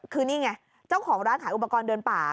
คือนี่ไงเจ้าของร้านขายอุปกรณ์เดินป่า